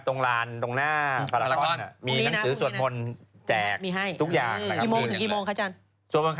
ตรงลานตรงหน้าพลาคอน